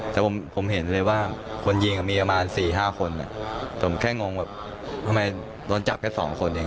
แต่ผมเห็นเลยว่าคนยิงมีประมาณ๔๕คนผมแค่งงแบบทำไมโดนจับแค่๒คนเอง